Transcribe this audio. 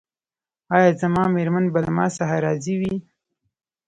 ایا زما میرمن به له ما څخه راضي وي؟